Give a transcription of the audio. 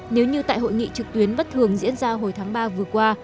nếu như tại hội nghị trực tuyến bất thường diễn ra hồi tháng ba vừa qua